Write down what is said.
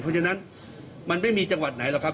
เพราะฉะนั้นมันไม่มีจังหวัดไหนหรอกครับ